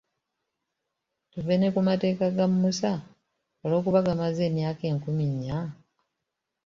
Tuve ne ku mateeka ga Musa olw'okuba gamaze emyaka enkumi nya?